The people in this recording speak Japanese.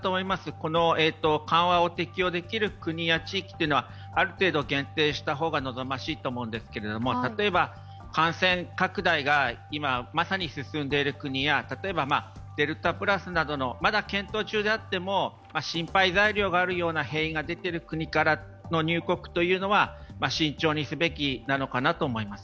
この緩和を適用できる国や地域というのはある程度、限定したほうが望ましいと思うんですけれども例えば感染拡大が今まさに進んでいる国やデルタプラスなどの、まだ検討中であっても心配材料があるような変異が出ているような国からの入国というのは慎重にすべきなのかなと思います。